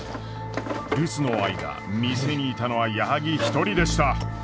留守の間店にいたのは矢作一人でした。